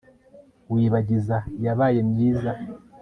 wibagiza iyabaye myiza